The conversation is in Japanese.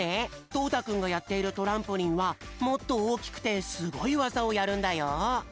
とうたくんがやっているトランポリンはもっとおおきくてすごいわざをやるんだよ。